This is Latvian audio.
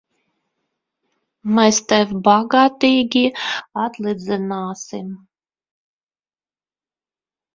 Mēs tev bagātīgi atlīdzināsim!